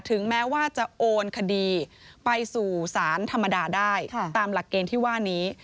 ถึงแม้ว่าจะโอนคดีไปสู่สารธรรมดาได้ตามหลักเกณฑ์ที่ว่านี้